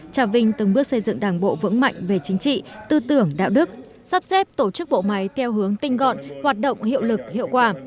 trà vinh từng bước xây dựng đảng bộ vững mạnh về chính trị tư tưởng đạo đức sắp xếp tổ chức bộ máy theo hướng tinh gọn hoạt động hiệu lực hiệu quả